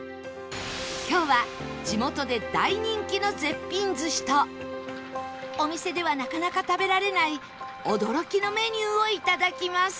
今日は地元で大人気の絶品寿司とお店ではなかなか食べられない驚きのメニューをいただきます